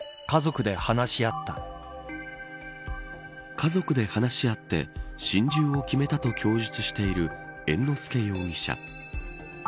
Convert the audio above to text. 家族で話し合って心中を決めたと供述している猿之助容疑者。